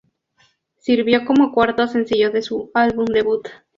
Sirvió como cuarto sencillo de su álbum debut.